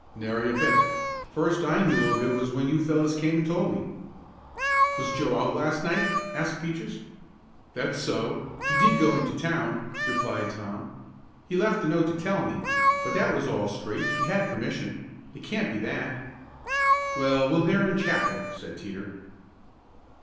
"Nary a bit. First I knew of it was when you fellows came and told me." "Was Joe out last night?" asked Peaches. "That's so, he did go into town," replied Tom. "He left a note to tell me but that was all straight he had permission. It can't be that." "Well, we'll hear in chapel," said Teeter.